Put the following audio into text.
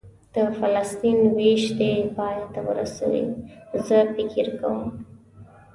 د فلسطین وېش دې پای ته ورسوي، زه فکر کوم.